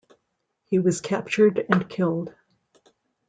He was captured and killed.